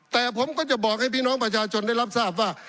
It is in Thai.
แต่ผมก็จะบอกให้พี่น้องประชาชนได้รับทราบว่า